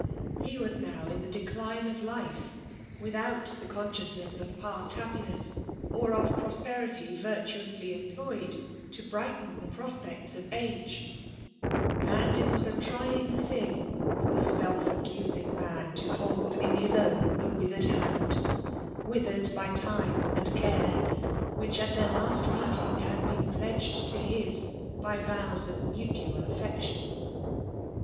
He was now in the decline of life. ^withotit the oonsciousnens of past happinesfi^ or of prosperity ^rirtuoiisty emplc^edj to brighten the proq^ecta of age; and it was a trying thing for the self aocusiDg man to hold in his own tlie withered hand,— withered by time and care,— which, at their last meeting, had been pledged to his by vows of mutual affection.